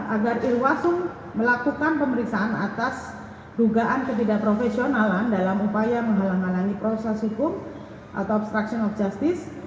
agar irwasum melakukan pemeriksaan atas dugaan ketidakprofesionalan dalam upaya menghalang halangi proses hukum atau obstruction of justice